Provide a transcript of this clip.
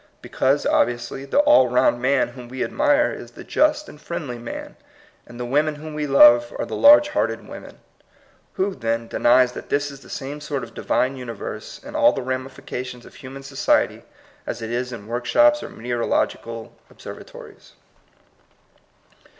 Be cause, obviously, the all round man whom we admire is the just and friendly man, and the women whom we love are the large hearted women. Who, then, denies that this is the same sort of Divine uni verse in all the ramifications of human so ciety as it is in workshops or meteorological observatories?